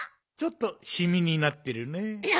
ちょっとシミになってるね。